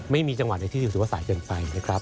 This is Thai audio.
ไม่มีจังหวัดไหนที่จะถือว่าสายเกินไปนะครับ